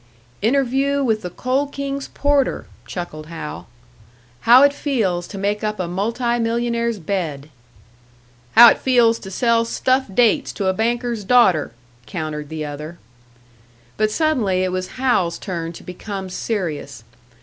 "Interview with the Coal King's porter!" chuckled Hal. "How it feels to make up a multi millionaire's bed!" "How it feels to sell stuffed dates to a banker's daughter!" countered the other. But suddenly it was Hal's turn to become serious.